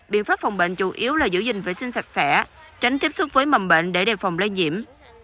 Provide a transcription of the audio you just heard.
biện pháp phòng bệnh chủ yếu là giữ gìn vệ sinh sạch sẽ tránh tiếp xúc với mầm bệnh để đề phòng lây nhiễm